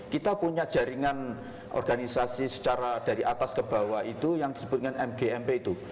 kita punya jaringan organisasi secara dari atas ke bawah itu yang disebut dengan mgmp itu